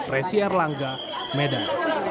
resi erlangga medan